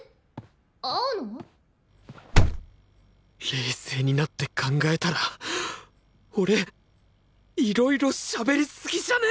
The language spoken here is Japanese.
冷静になって考えたら俺いろいろしゃべりすぎじゃね！？